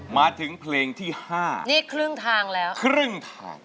มาถึงเพลงที่๕นี่ครึ่งทางแล้วครึ่งทาง